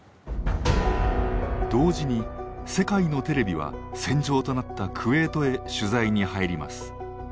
同時に世界のテレビは戦場となったクウェートへ取材に入ります。